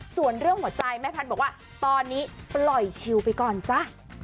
ส่วนเรื่องหัวใจแม่แพทย์บอกว่าตอนนี้ปล่อยชิลไปก่อนจ้ะ